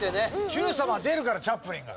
『Ｑさま！！』は出るからチャップリンが。